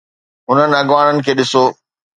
هنن اڳواڻن کي ڏسو.